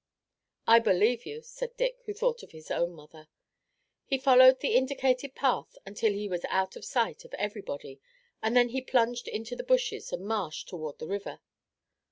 "I believe you," said Dick, who thought of his own mother. He followed the indicated path until he was out of sight of everybody, and then he plunged into the bushes and marsh toward the river.